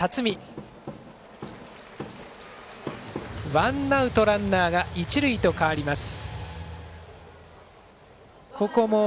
ワンアウトランナーが一塁へと変わります。